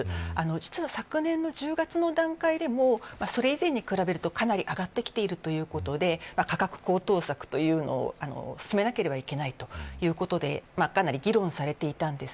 実は、昨年の１０月の段階でもそれ以前に比べると、かなり上がってきているということで価格高騰策を進めなければならないということでかなり議論されていました。